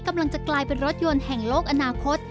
กำลังจะกลายเป็นรถยนต์แห่งโลกอนาคต